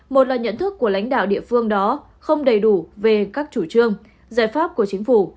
một là nhận thức của lãnh đạo địa phương đó không đầy đủ về các chủ trương giải pháp của chính phủ